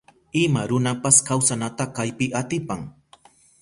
Ima runapas kawsanata kaypi atipan.